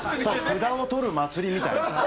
札を取る祭りみたいな。